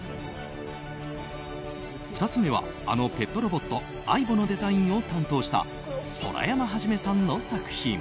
２つ目は、あのペットロボットａｉｂｏのデザインを担当した空山基さんの作品。